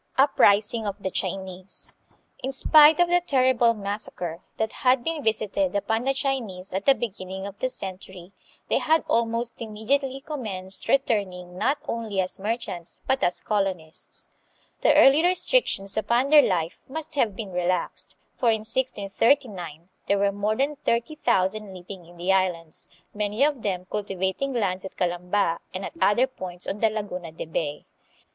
Uprising of the Chinese. In spite of the terrible mas sacre, that had been visited upon the Chinese at the beginning of the century, they had almost immediately commenced returning not only as merchants, but as colo nists. The early restrictions upon their life must have been relaxed, for in 1639 there were more than thirty thousand living in the Islands, many of them cultivating lands at Calamba and at other points on the Laguna de Bay.